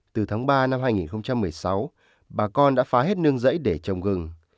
từ tháng ba năm hai nghìn một mươi sáu bà con đã phá hết nương rẫy để trồng gừng